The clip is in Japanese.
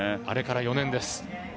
あれから４年です。